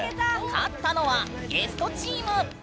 勝ったのはゲストチーム！